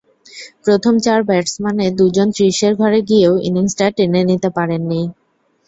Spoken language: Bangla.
প্রথম চার ব্যাটসম্যানের দুজন ত্রিশের ঘরে গিয়েও ইনিংসটা টেনে নিতে পারেননি।